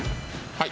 はい。